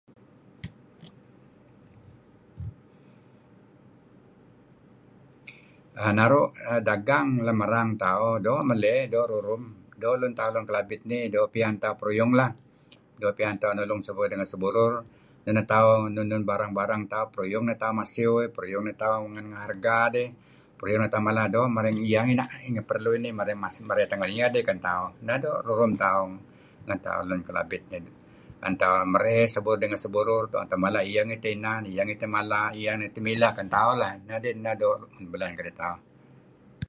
"Err... naru' err... dagang lem erang tauh. Doo' meley, doo' rurum. Doo' lun tauh lun Kelabit nih doo' pian tauh peruyung lah. Doo' pian tauh nulung seh burur ngen seh burur. Neh neh tauh enun-enun barang-barang tauh, peruyung neh tauh masiw iih, peruyung neh tauh ngen harga dih. Peruyung neh tauh mala merey ngen ieh ngih ineh kadi' ieh neh teh perlu ngen idih. Merey mas, tenga' ieh idih ken tauh. Neh doo' rurum tauh ngen tauh lun Kelabit nih. ""En tauh merey seh burur ngen seh burur. Tu'en tauh mala Ieh ngihteh inan, ieh ngih teh mileh, ieh ngih teh mala ken tauh lah.. Neh doo' neh belaan ketauh."